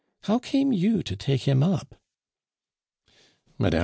How came you to take him up?" Mme.